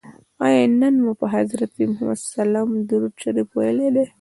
آیا نن مو پر حضرت محمد صلی الله علیه وسلم درود شریف ویلي دی؟